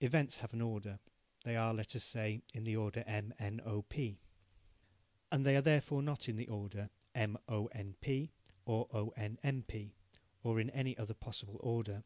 Events have an order. They are, let us say, in the order M, N, O, P. And they are therefore not in the order M, O, N, P, or O, N, M, P, or in any other possible order.